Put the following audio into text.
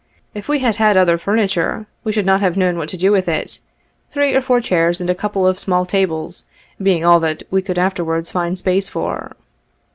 If we had had other furniture, we should not have known what to do with it, three or four chairs and a couple of small tables being all that we could afterwards find space for.